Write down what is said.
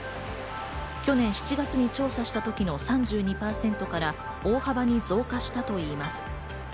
去年７月に調査した時の３２％から大幅に増加したといいます。